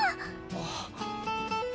あっ。